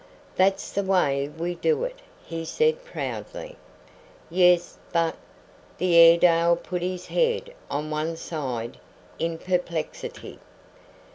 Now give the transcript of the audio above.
"That's the way we do it," he said proudly. "Yes, but " the Airedale put his head on one side in perplexity.